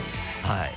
はい。